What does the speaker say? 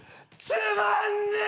つまんねえ！！